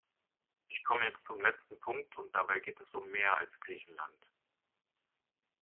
Ich komme jetzt zum letzten Punkt, und dabei geht es um mehr als Griechenland.